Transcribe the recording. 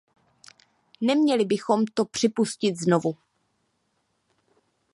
Neměli bychom to připustit znovu!